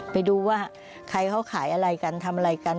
ไปดูว่าใครเขาขายอะไรกันทำอะไรกัน